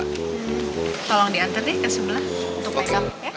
tolong diantar deh ke sebelah untuk make up